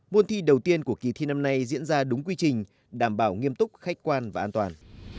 môn thi đầu tiên của kỳ thi năm nay diễn ra đúng quy trình đảm bảo nghiêm túc khách quan và an toàn